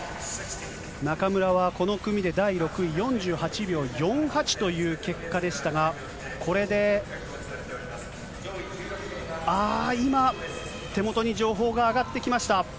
中村はこの組で第６位、４８秒４８という結果でしたが、これで、あー、今、手元に情報が上がってきました。